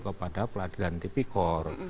kepada pengadilan tpkor